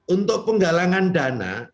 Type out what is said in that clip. untuk penggalangan dana